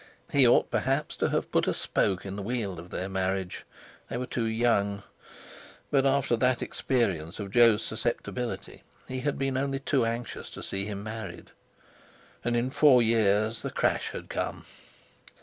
He ought perhaps to have put a spoke in the wheel of their marriage; they were too young; but after that experience of Jo's susceptibility he had been only too anxious to see him married. And in four years the crash had come!